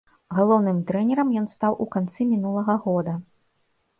Галоўным трэнерам ён стаў у канцы мінулага года.